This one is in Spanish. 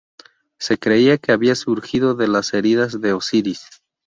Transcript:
Se creía que había surgido de las heridas de Osiris.